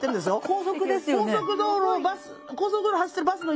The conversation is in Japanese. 高速ですよね？